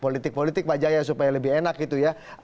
politik politik pak jaya supaya lebih enak gitu ya